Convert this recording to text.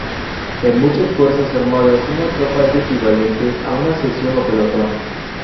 En muchas fuerzas armadas una tropa es equivalente a una sección o pelotón.